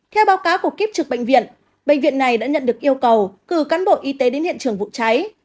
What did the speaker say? theo báo cáo của kiếp trực bệnh viện bệnh viện này đã nhận được yêu cầu cử cán bộ y tế đến hiện trường vụ cháy